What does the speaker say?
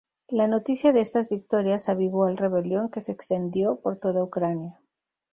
La noticia de estas victorias avivó al rebelión, que se extendió por toda Ucrania.